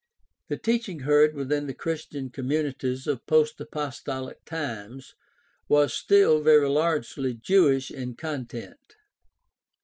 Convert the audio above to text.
— The teaching heard within the Christian communities of post apostolic times was still very largely Jewish in content.